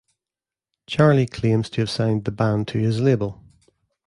Charlie claims to have signed the band to his label.